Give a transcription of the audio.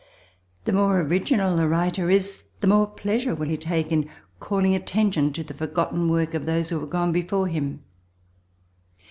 The more original a writer is, the more pleasure will he take in calling attention to the forgotten work of those who have gone before him.